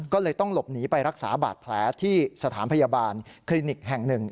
ก็เลยต้องหลบหนีไปรักษาบาดแผลที่สถานพยาบาลคลินิกแห่งหนึ่ง